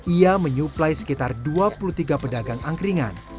ia menyuplai sekitar dua puluh tiga pedagang angkringan